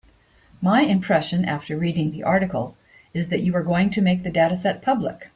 My impression after reading the article is that you are going to make the dataset public.